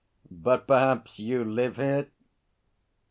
'But perhaps you live here?'